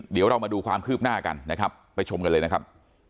เดี๋ยวเรามาดูความคืบหน้ากันนะครับไปชมกันเลยนะครับ